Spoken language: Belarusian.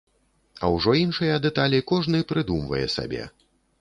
А ўжо іншыя дэталі кожны прыдумвае сабе.